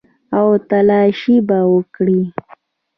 او تلاشي به وکړي.